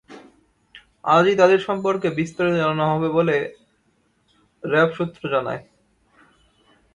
আজই তাদের সম্পর্কে বিস্তারিত জানানো হবে বলে র্যাব সূত্র জানায়।